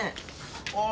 ああ。